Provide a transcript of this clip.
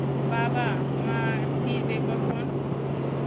বাবা, মা ফিরবে কখন?